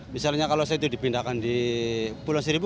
misalnya kalau saya itu dipindahkan di pulau seribu